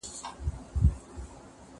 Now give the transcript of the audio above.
تاسو خپل د تفریح ځای تل پاک وساتئ.